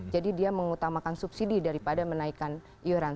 jadi dia mengutamakan subsidi daripada menaikkan iuran